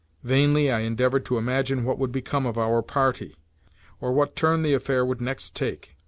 Vainly I endeavoured to imagine what would become of our party, or what turn the affair would next take.